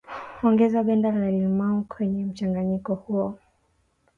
Ongeza ganda la limao kwenye mchanganyiko huo